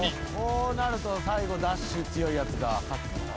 こうなると最後ダッシュ強いやつが勝つぞ。